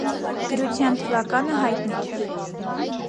Գրության թվականը հայտնի չէ։